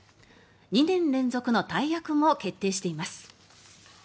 ２年連続の大役も決定しています。